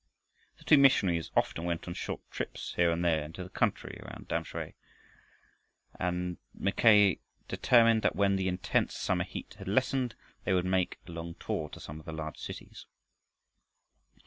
The two missionaries often went on short trips here and there into the country around Tamsui, and Mackay determined that when the intense summer heat had lessened they would make a long tour to some of the large cities.